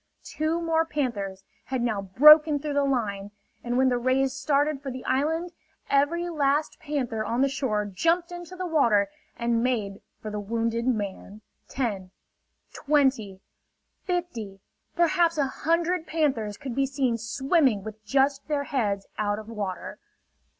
Two more panthers had now broken through the line; and when the rays started for the island, every last panther on the shore jumped into the water and made for the wounded man. Ten, twenty, fifty, perhaps a hundred panthers could be seen swimming with just their heads out of water.